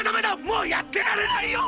もうやってられないよ！